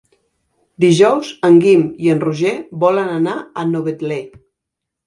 Dijous en Guim i en Roger volen anar a Novetlè.